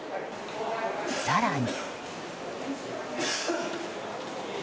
更に。